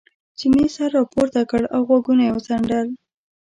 چیني سر را پورته کړ او غوږونه یې وڅنډل.